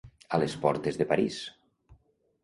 A les portes de París.